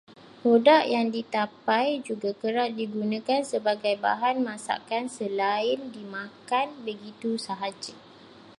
Produk yang ditapai juga kerap digunakan sebagai bahan masakan selain dimakan begitu sahaja.